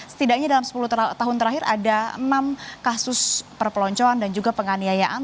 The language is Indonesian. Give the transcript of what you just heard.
setidaknya dalam sepuluh tahun terakhir ada enam kasus perpeloncoan dan juga penganiayaan